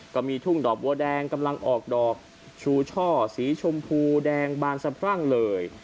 ก็มีทุ่งดอกบัวแดงกำลังออกดอกชูช่อสีชมพูแดงบานสะพรั่งเลย